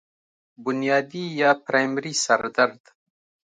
بنيادي يا پرائمري سر درد